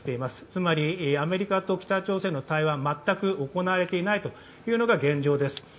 つまり、アメリカと北朝鮮の対話、全く行われていないというのが現状です。